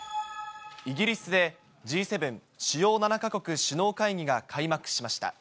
イギリスで、Ｇ７・主要７か国首脳会議が開幕しました。